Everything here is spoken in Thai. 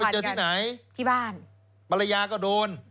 เจอที่ไหนที่บ้านภรรยาก็โดน